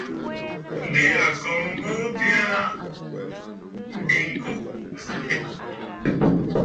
Ǹdè a kɔ̀ŋə̀ bɔɔ bya aa diŋkò.